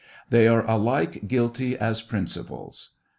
They are alike guilty as principals.